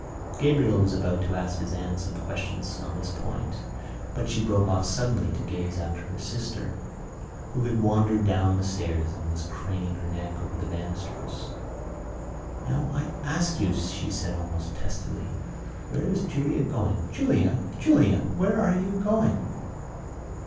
Gabriel was about to ask his aunt some questions on this point but she broke off suddenly to gaze after her sister who had wandered down the stairs and was craning her neck over the banisters. "Now, I ask you," she said almost testily, "where is Julia going? Julia! Julia! Where are you going?"